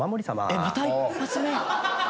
えっまた一発目？